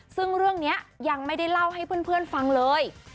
ซึ่งเรื่องนี้ยังไม่ได้เล่าให้เพื่อนฟังเลย